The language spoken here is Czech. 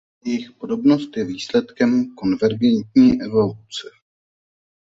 Jejich podobnost je výsledkem konvergentní evoluce.